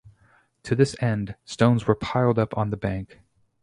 To this end, stones were piled up on the bank.